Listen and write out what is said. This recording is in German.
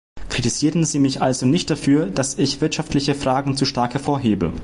Kritisieren Sie mich also nicht dafür, dass ich wirtschaftliche Fragen zu stark hervorhebe!